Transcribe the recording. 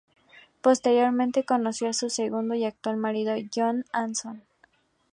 Posteriormente conoció a su segundo y actual marido, John Anson.